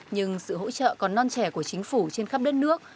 nhưng sự hỗ trợ còn non trẻ của chính phủ trên khắp đất nước